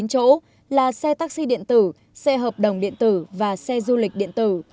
chín chỗ là xe taxi điện tử xe hợp đồng điện tử và xe du lịch điện tử